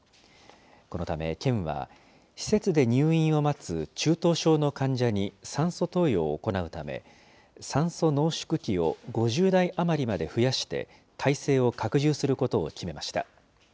このため県は、施設で入院を待つ中等症の患者に酸素投与を行うため、酸素濃縮器を５０台余りまで増やして、体制を拡充することを決めました。